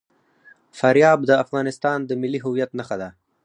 فاریاب د افغانستان د ملي هویت نښه ده.